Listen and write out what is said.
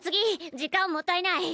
時間もったいない。